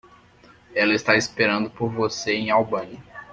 Ela estará esperando por você em Albany.